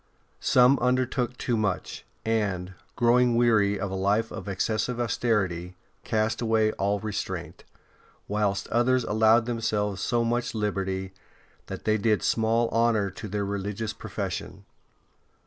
Some undertook too much, and, growing weary of a life of excessive austerity, cast away all restraint; whilst others allowed themselves so much liberty that they did small honour to their religious profession.